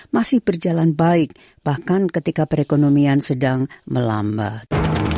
masih berjalan baik bahkan ketika perekonomian sedang melambat